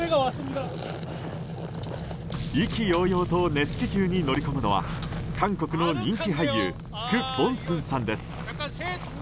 意気揚々と熱気球に乗り込むのは韓国の人気俳優ク・ボンスンさんです。